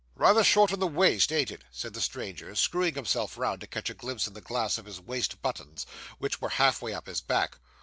'Rather short in the waist, ain't it?' said the stranger, screwing himself round to catch a glimpse in the glass of the waist buttons, which were half way up his back.